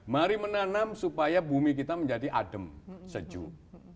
mari menanam supaya bumi kita menjadi adem sejuk